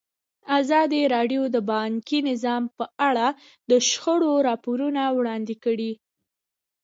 ازادي راډیو د بانکي نظام په اړه د شخړو راپورونه وړاندې کړي.